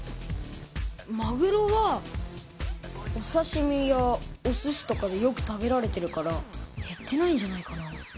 まぐろはおさしみやおすしとかでよく食べられてるからへってないんじゃないかな。